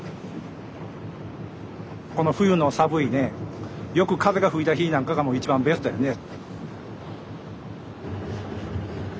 この冬の寒いねよく風が吹いた日なんかがもう一番ベストやね。